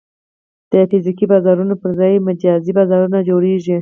د فزیکي بازارونو پر ځای مجازي بازارونه جوړېږي.